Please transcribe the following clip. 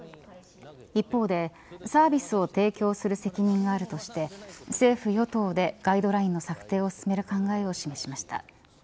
一方でサービスを提供する責任があるとして政府与党でガイドラインの策定を進める考えを示しました。